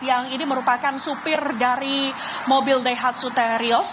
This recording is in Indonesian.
yang ini merupakan supir dari mobil daihatsuterios